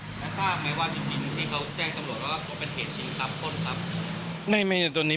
แล้วทราบไหมว่าจริงที่เขาแจ้งตำรวจว่าเขาเป็นเหตุจริงครับคนครับ